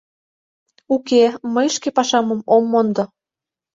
— Уке, мый шке пашамым ом мондо.